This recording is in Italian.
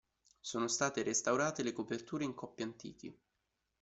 Sono state restaurate le coperture in coppi antichi.